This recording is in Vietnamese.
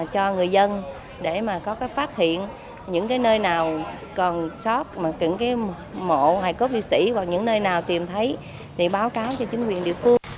cho người dân để có phát hiện những nơi nào còn sót mộ hai cốt liệt sĩ hoặc những nơi nào tìm thấy thì báo cáo cho chính quyền địa phương